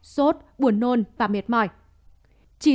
sốt buồn nôn và mệt mỏi